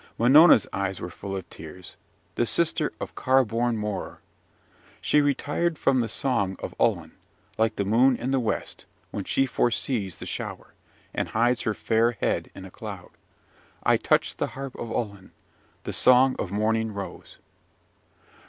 Minona's eyes were full of tears, the sister of car borne Morar. She retired from the song of Ullin, like the moon in the west, when she foresees the shower, and hides her fair head in a cloud. I touched the harp with Ullin: the song of morning rose!